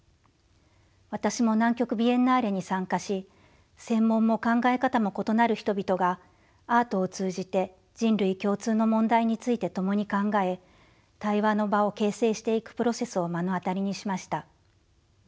私も南極ビエンナーレに参加し専門も考え方も異なる人々がアートを通じて人類共通の問題について共に考え対話の場を形成していくプロセスを目の当たりにしました。